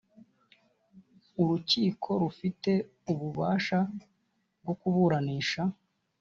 urukiko rufite ububasha bwo kuburanisha